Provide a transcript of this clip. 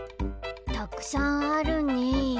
たくさんあるね。